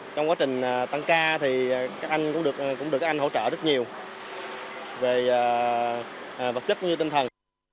trong quá trình tăng ca thì các anh cũng được các anh hỗ trợ rất nhiều về vật chất cũng như tinh thần